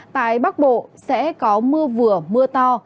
tại bắc bộ sẽ có mưa vừa mưa to